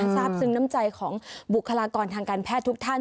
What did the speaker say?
ทราบซึ้งน้ำใจของบุคลากรทางการแพทย์ทุกท่าน